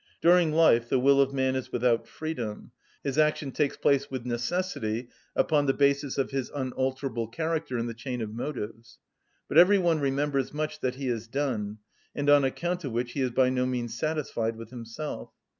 During life the will of man is without freedom: his action takes place with necessity upon the basis of his unalterable character in the chain of motives. But every one remembers much that he has done, and on account of which he is by no means satisfied with himself.